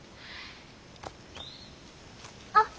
あっ！